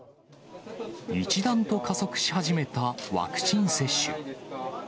一段と加速し始めたワクチン接種。